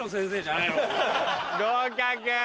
合格。